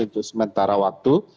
untuk sementara waktu